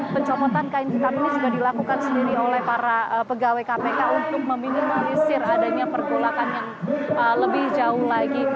pencopotan kain hitam ini sudah dilakukan sendiri oleh para pegawai kpk untuk meminimalisir adanya pergolakan yang lebih jauh lagi